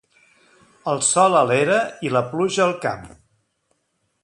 El sol a l'era i la pluja al camp.